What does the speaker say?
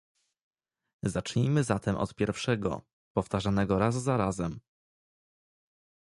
Zacznijmy zatem od pierwszego, powtarzanego raz za razem